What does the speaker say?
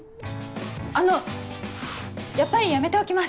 あのやっぱりやめておきます。